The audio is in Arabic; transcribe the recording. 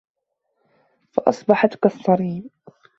فَأَصبَحَت كَالصَّريمِ